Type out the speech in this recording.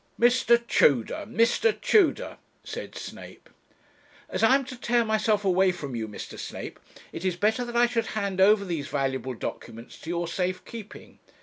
'Mr. Tudor Mr. Tudor!' said Snape. 'As I am to tear myself away from you, Mr. Snape, it is better that I should hand over these valuable documents to your safe keeping.